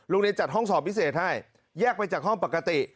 เรียนจัดห้องสอบพิเศษให้แยกไปจากห้องปกติ